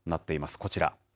こちら。